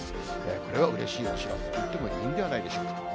これはうれしいお知らせと言ってもいいんではないでしょうか。